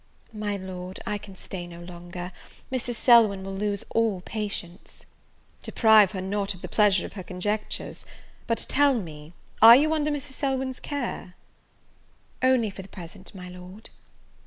"My Lord, I can stay no longer, Mrs. Selwyn will lose all patience." "Deprive her not of the pleasure of her conjectures, but tell me, are you under Mrs. Selwyn's care?" "Only for the present, my Lord."